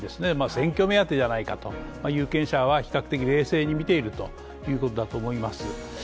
選挙目当てじゃないかと有権者は比較的冷静に見ているということじゃないかと思います。